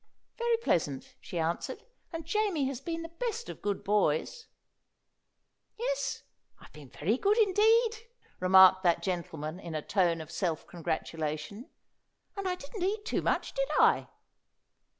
"Very pleasant," she answered; "and Jamie has been the best of good boys." "Yes, I've been very good indeed," remarked that gentleman in a tone of self congratulation. "And I didn't eat too much, did I?"